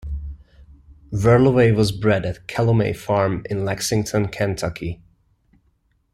Whirlaway was bred at Calumet Farm in Lexington, Kentucky.